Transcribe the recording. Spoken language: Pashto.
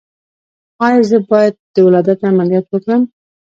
ایا زه باید د ولادت عملیات وکړم؟